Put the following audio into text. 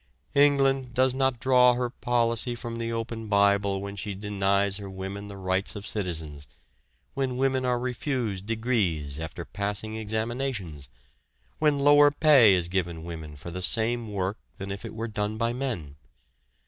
England does not draw her policy from the open Bible when she denies her women the rights of citizens, when women are refused degrees after passing examinations, when lower pay is given women for the same work than if it were done by men.